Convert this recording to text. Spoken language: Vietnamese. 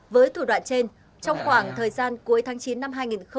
với thủ đoạn trên trong khoảng thời gian cuối tháng chín năm hai nghìn hai mươi